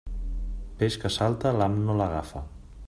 Peix que salta, l'ham no l'agafa.